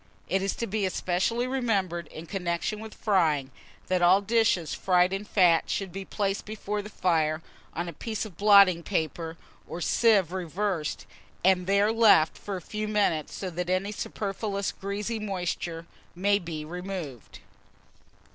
IT IS TO BE ESPECIALLY REMEMBERED, in connection with frying, that all dishes fried in fat should be placed before the fire on a piece of blotting paper, or sieve reversed, and there left for a few minutes, so that any superfluous greasy moisture may be removed.